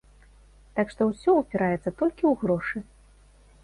Так што ўсе упіраецца толькі ў грошы.